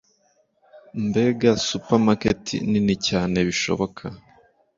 Mbega supermarket nini cyane bishoboka!